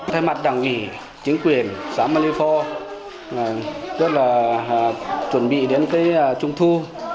thay mặt đảng ủy chính quyền xã malifor rất là chuẩn bị đến trung thu